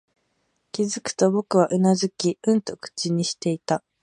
気づくと、僕はうなずき、うんと口にしていた